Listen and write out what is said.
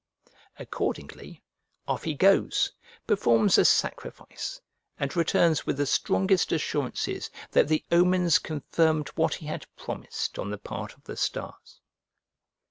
Accordingly off he goes, performs a sacrifice, and returns with the strongest assurances that the omens confirmed what he had promised on the part of the stars.